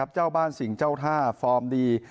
เจ้าบ้านสิ่งเจ้าท่าฟอร์มดี